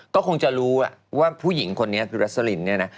ก็คงจะรู้ว่าผู้หญิงคนนี้คือรัสลินเนี่ยนะ